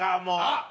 あっ！